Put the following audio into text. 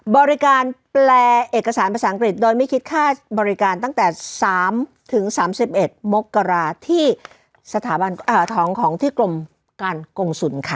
บริการแปลเอกสารภาษาอังกฤษโดยไม่คิดค่าบริการตั้งแต่๓๓๑มกราที่สถาบันของที่กรมการกงศูนย์ค่ะ